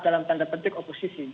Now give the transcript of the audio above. dalam tanda petik oposisi